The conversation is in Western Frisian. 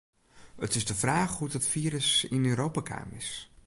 It is de fraach hoe't it firus yn Europa kaam is.